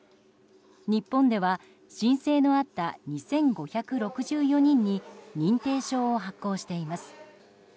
日本では申請のあった２５６４人に認定証を発行しています。